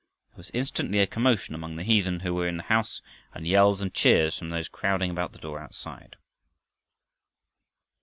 There was instantly a commotion among the heathen who were in the house, and yells and jeers from those crowding about the door outside.